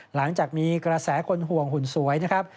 หลังจากมีกระแสคนห่วงหุ่นสวยนะครับ